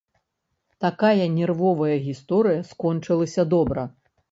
Такая нервовая гісторыя скончылася добра.